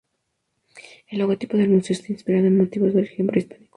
El logotipo del museo está inspirado en motivos de origen prehispánico.